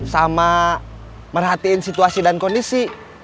sama merhatiin situasi dan kondisi